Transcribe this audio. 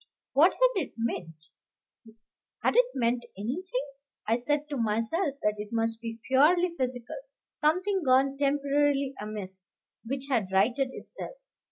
What had it meant? Had it meant anything? I said to myself that it must be purely physical, something gone temporarily amiss, which had righted itself.